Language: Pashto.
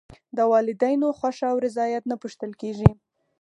د والدینو خوښه او رضایت نه پوښتل کېږي.